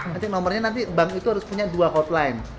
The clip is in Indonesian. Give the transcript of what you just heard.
nanti nomornya nanti bank itu harus punya dua hotline